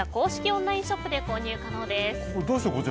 オンラインショップで購入可能です。